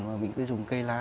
mà mình cứ dùng cây lá